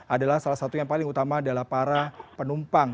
adalah salah satu yang paling utama adalah para penumpang